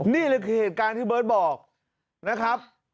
นี่คือเหตุการณ์ที่เบิร์ตบอกนะครับ